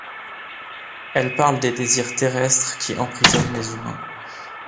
Elle parle des désirs terrestres qui emprisonnent les humains.